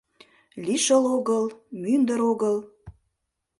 Лишыл огыл, мӱндыр огыл